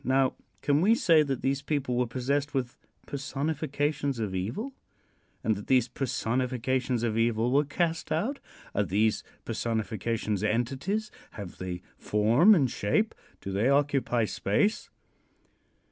Now, can we say that these people were possessed with personifications of evil, and that these personifications of evil were cast out? Are these personifications entities? Have they form and shape? Do they occupy space?